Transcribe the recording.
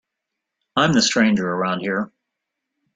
I'm the stranger around here.